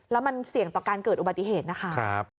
แล้วมันเสี่ยงต่อการเกิดอุบัติเหตุนะคะ